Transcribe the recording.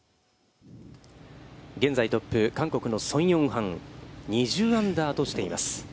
現在トップ、韓国の宋永漢、２０アンダーとしています。